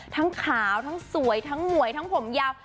ทั้งขาวทั้งสวยทั้งหมวยทั้งผมยาว